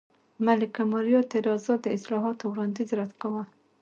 ملکه ماریا تېرازا د اصلاحاتو وړاندیز رد کاوه.